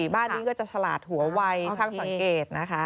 บ้านนี้ก็จะฉลาดหัววัยช่างสังเกตนะคะ